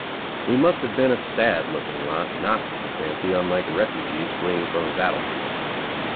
We must have been a sad looking lot, not, I fancy, unlike refugees fleeing from a battlefield.